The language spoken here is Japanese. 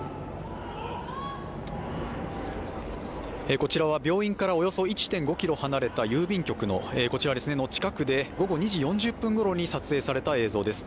こちらは病院からおよそ１．５ｋｍ離れた郵便局の近くで午後２時４０分ごろに撮影された映像です。